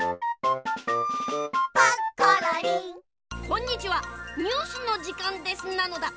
こんにちはニュースのじかんですなのだ。